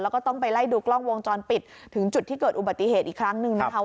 แล้วก็ต้องไปไล่ดูกล้องวงจรปิดถึงจุดที่เกิดอุบัติเหตุอีกครั้งหนึ่งนะคะ